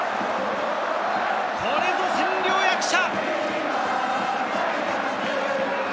これぞ千両役者！